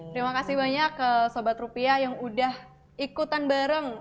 terima kasih banyak sobat rupiah yang udah ikutan bareng